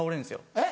えっ？